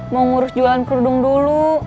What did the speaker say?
mau ngurus jualan kerudung dulu